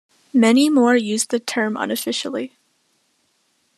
Many more use the term unofficially.